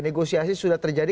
negosiasi sudah terjadi